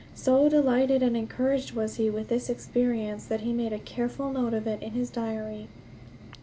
So delighted and encouraged was he with this experience that he made a careful note of it in his diary.